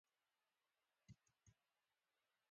غرونه – د طبیعت ستنې او د ژوند الهام